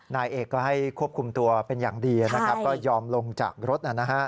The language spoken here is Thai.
นายเอกก็ให้ควบคุมตัวเป็นอย่างดีก็ยอมลงจากรถ